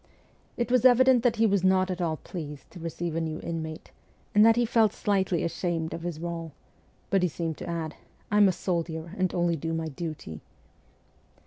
It was evident that he was not at all pleased to receive a new inmate, and that he felt slightly ashamed of his role ; but he seemed to add, ' I am a soldier, and only do my duty.'